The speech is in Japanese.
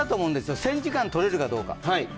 １０００時間取れるかどうか。